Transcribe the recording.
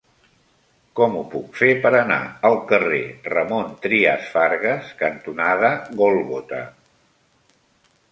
Com ho puc fer per anar al carrer Ramon Trias Fargas cantonada Gòlgota?